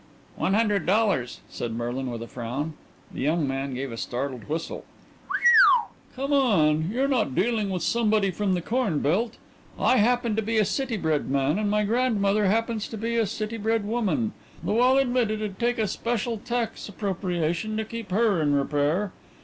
"One hundred dollars," said Merlin with a frown. The young man gave a startled whistle. "Whew! Come on. You're not dealing with somebody from the cornbelt. I happen to be a city bred man and my grandmother happens to be a city bred woman, though I'll admit it'd take a special tax appropriation to keep her in repair.